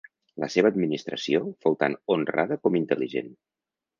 La seva administració fou tant honrada com intel·ligent.